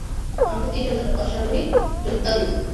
আমাকে তিনশত অশ্বারোহী যোদ্ধা দিন।